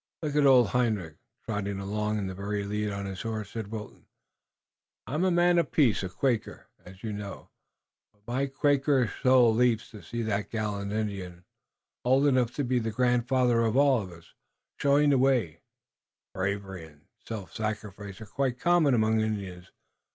"And look at old Hendrik, trotting along in the very lead on his horse," said Wilton. "I'm a man of peace, a Quaker, as you know, but my Quakerish soul leaps to see that gallant Indian, old enough to be the grandfather of us all, showing the way." "Bravery and self sacrifice are quite common among Indians.